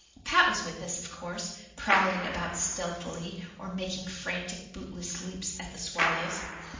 Pat was with us, of course, prowling about stealthily, or making frantic, bootless leaps at the swallows.